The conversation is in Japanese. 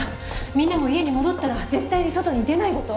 みんなも家に戻ったら絶対に外に出ないこと。